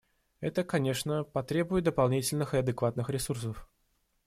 Это, конечно, потребует дополнительных и адекватных ресурсов.